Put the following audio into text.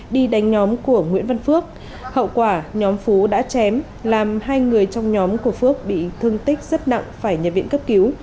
đi đánh nhóm của nguyễn văn phước hậu quả nhóm phú đã chém làm hai người trong nhóm của phước bị thương tích rất nặng phải nhập viện cấp cứu